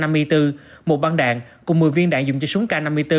một băng đạn cùng một mươi viên đạn dùng cho súng k năm mươi bốn